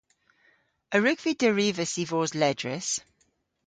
A wrug vy derivas y vos ledrys?